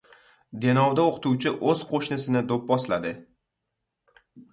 Denovda o‘qituvchi o‘z qo‘shnisini do‘pposladi